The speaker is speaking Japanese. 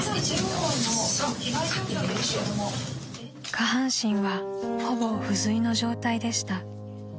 ［下半身はほぼ不随の状態でした］